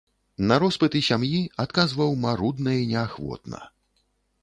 На роспыты сям'і адказваў марудна і неахвотна.